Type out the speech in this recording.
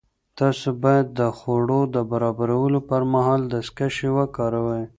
تاسو باید د خوړو د برابرولو پر مهال دستکشې وکاروئ.